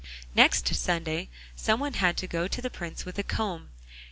Next Sunday some one had to go to the Prince with a comb.